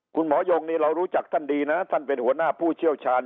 ยงนี่เรารู้จักท่านดีนะท่านเป็นหัวหน้าผู้เชี่ยวชาญ